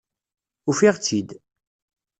Ufiɣ-tt-id.